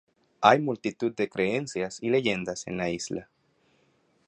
Hay multitud de creencias y leyendas en la isla.